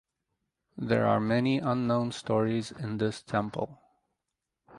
There are many unknown stories in this temple.